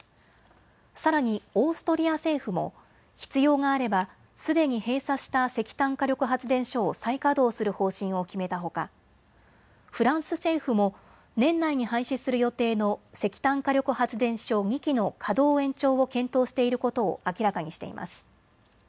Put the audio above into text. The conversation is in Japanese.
さらにオーストリア政府も必要があればすでに閉鎖した石炭火力発電所を再稼働する方針を決めたほかフランス政府も年内に廃止する予定の石炭火力発電所２基の稼働延長を検討していることを明らかにしています。